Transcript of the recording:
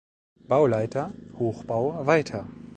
Bauleiter (Hochbau) weiter.